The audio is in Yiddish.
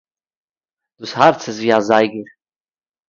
דאָס האַרץ איז ווי אַ זייגער.